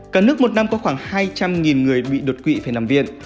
cả nước một năm có khoảng hai trăm linh người bị đột quỵ phải nằm viện